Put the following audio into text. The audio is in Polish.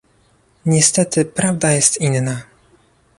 Niestety prawda jest inna